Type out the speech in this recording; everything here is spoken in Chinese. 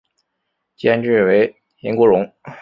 监制为岑国荣。